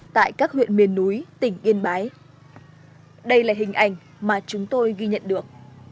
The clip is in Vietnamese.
tại các huyện miền núi tỉnh yên bái đây là hình ảnh mà chúng tôi ghi nhận được